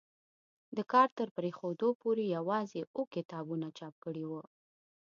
د کار تر پرېښودو پورې یوازې اووه کتابونه چاپ کړي وو.